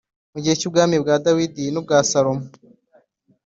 mu gihe cy’ubwami bwa dawidi n’ubwa salomo,